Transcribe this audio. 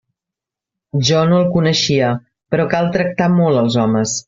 Jo no el coneixia, però cal tractar molt els homes.